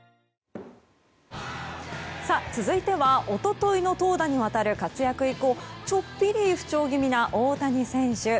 続いては一昨日の投打にわたる活躍以降ちょっぴり不調気味な大谷選手。